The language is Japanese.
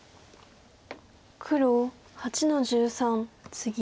黒８の十三ツギ。